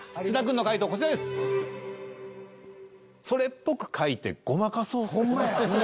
それっぽく書いてごまかそうと。